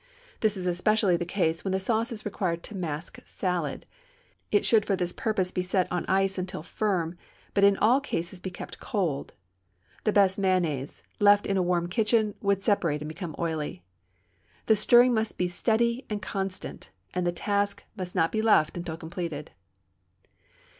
This is especially the case when the sauce is required to mask salad. It should for this purpose be set on ice until firm, but in all cases be kept cold. The best mayonnaise, left in a warm kitchen, would separate and become oily. The stirring must be steady and constant, and the task must not be left until completed.